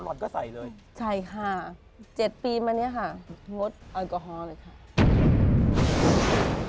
อดก็ใส่เลยใช่ค่ะเจ็ดปีมาเนี้ยค่ะงดแอลกอฮอล์เลยค่ะ